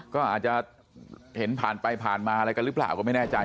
ก็อาจจะเห็นผ่านไปผ่านมาอะไรกันหรือเปล่าก็ไม่แน่ใจ